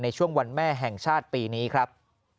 ในช่วงวันแม่แห่งชาติปีนี้ครับ